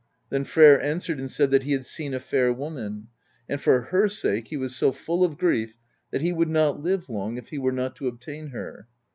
Then Freyr answered and said that he had seen a fair woman; and for her sake he was so full of grief that he would not live long if he were not to obtain her.